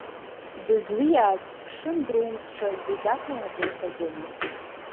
Дызлиааз ԥшын дроузшәа зеӷьаҭам аҵеи хазына…